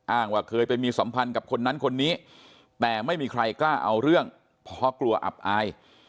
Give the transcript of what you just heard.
ว่าเคยไปมีสัมพันธ์กับคนนั้นคนนี้แต่ไม่มีใครกล้าเอาเรื่องเพราะกลัวอับอาย